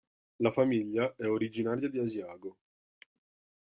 La famiglia è originaria di Asiago.